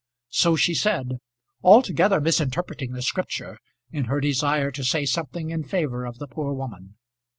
So she said, altogether misinterpreting the Scripture in her desire to say something in favour of the poor woman.